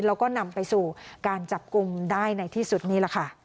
แล้วก็นำไปสู่การจับกลุ่มได้ในที่สุดนี่แหละค่ะ